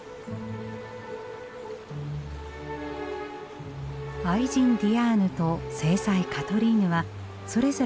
愛人ディアーヌと正妻カトリーヌはそれぞれ庭も作りました。